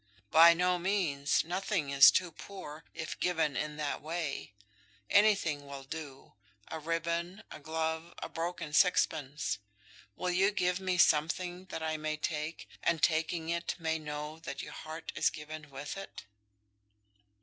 "By no means; nothing is too poor, if given in that way. Anything will do; a ribbon, a glove, a broken sixpence. Will you give me something that I may take, and, taking it, may know that your heart is given with it?"